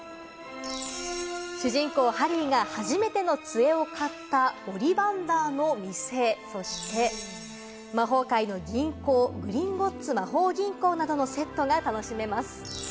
主人公・ハリーが初めての杖を買ったオリバンダー店、そして魔法界の銀行、グリンゴッツ魔法銀行などのセットが楽しめます。